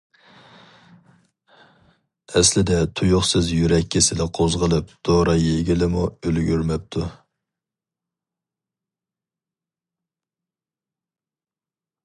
ئەسلىدە تۇيۇقسىز يۈرەك كېسىلى قوزغىلىپ دورا يېگىلىمۇ ئۈلگۈرمەپتۇ.